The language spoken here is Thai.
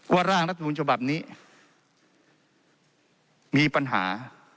ว่าร่างรัฐบุญจบับนี้มีปัญหา